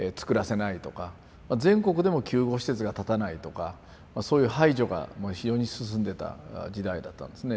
全国でも救護施設が建たないとかそういう排除が非常に進んでた時代だったんですね。